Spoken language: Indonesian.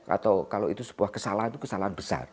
atau kalau itu sebuah kesalahan itu kesalahan besar